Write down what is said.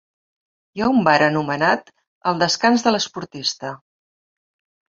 Hi ha un bar anomenat "El descans de l'esportista".